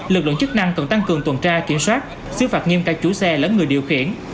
lực lượng chức năng cần tăng cường tuần tra kiểm soát xứ phạt nghiêm cài chủ xe lẫn người điều khiển